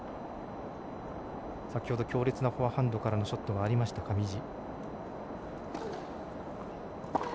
先ほど強烈なフォアハンドからのショットもありました、上地。